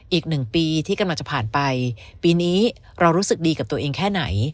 อีกหนึ่งปีที่กำลังจะผ่านไปปีนี้เรารู้สึกดีกับตัวเองแค่ไหน